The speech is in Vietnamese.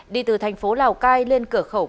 đi từ thành phố lào cai lên cửa khẩu